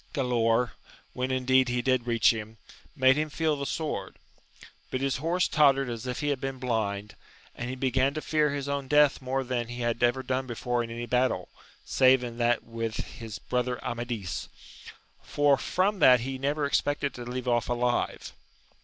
Gkdaor, when indeed he did reach him, made him feel the sword, but his horse tottered as if he had been blind, and he began to fear his own death more than he had ever done before in any battle, save in that with las brother Amadis, for from that he never expected to leave off alive.